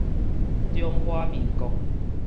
中華民國